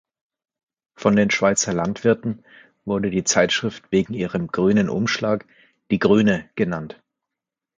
Von den Schweizer Landwirten wurde die Zeitschrift wegen ihrem grünen Umschlag "die Grüne" genannt.